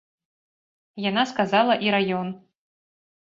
Яна сказала і раён.